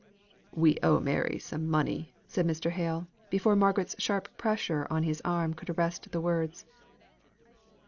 "We owe Mary some money," said Mr. Hale, before Margaret's sharp pressure on his arm could arrest the words.